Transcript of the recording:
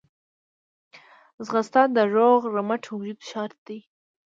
ځغاسته د روغ رمټ وجود شرط دی